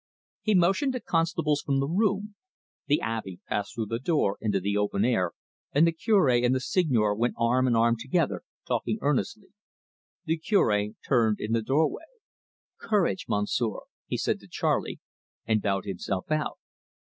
He motioned the constables from the room. The Abby passed through the door into the open air, and the Cure and the Seigneur went arm in arm together, talking earnestly. The Cure turned in the doorway. "Courage, Monsieur!" he said to Charley, and bowed himself out.